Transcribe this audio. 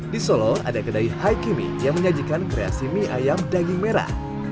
di solo ada kedai haikimi yang menyajikan kreasi mie ayam daging merah